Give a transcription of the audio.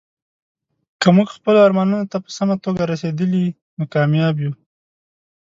که موږ خپلو ارمانونو ته په سمه توګه رسیدلي، نو کامیاب یو.